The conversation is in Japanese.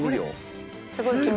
すごい。